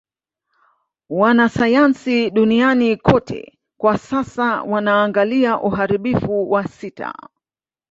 Wanasayansi duniani kote kwa sasa wanaangalia uharibifu wa sita